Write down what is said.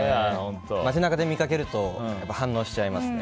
街中で見かけると反応しちゃいますね。